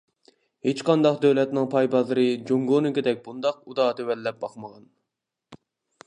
ھېچقانداق دۆلەتنىڭ پاي بازىرى جۇڭگونىڭكىدەك بۇنداق ئۇدا تۆۋەنلەپ باقمىغان.